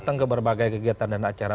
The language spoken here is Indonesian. datang ke berbagai kegiatan dan acara